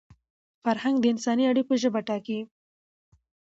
فرهنګ د انساني اړیکو ژبه ټاکي.